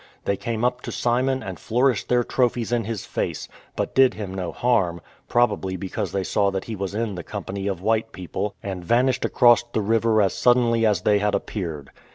They came up to Simon and flourished their trophies in his face, but did him no harm, probably because they saw that he was in the company of white people, and vanished across the 218 A SAD EXPERIENCE river as suddenly as they had appeared.